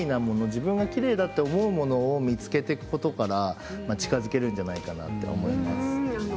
自分がきれいだと思うものを見つけていくことから近づけるんじゃないかなと思います。